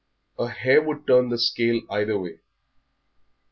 A hair would turn the scale either way.